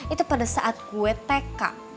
itu pada saat gue tk